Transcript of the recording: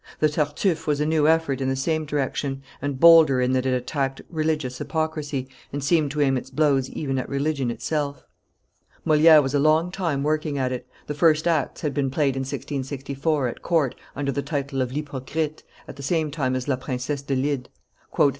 The Tartuffe was a new effort in the same direction, and bolder in that it attacked religious hypocrisy, and seemed to aim its blows even at religion itself. Moliere was a long time working at it; the first acts had been played in 1664, at court, under the title of l'Hypocrite, at the same time as la Princesse d'Elide.